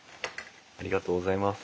ありがとうございます。